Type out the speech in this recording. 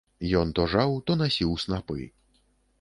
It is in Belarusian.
Ён то жаў, то насіў снапы.